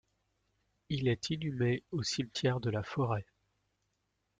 Il est inhumé au Cimetière de la Forêt.